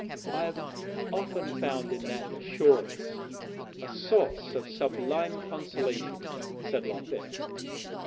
"I have often found in that assurance a source of sublime consolation," said Lothair.